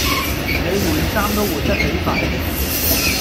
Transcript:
你換衫都換得幾快喎